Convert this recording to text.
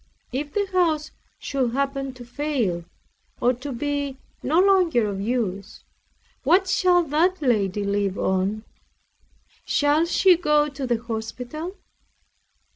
If the house should happen to fail, or be no longer of use, what shall that lady live on? Shall she go to the hospital?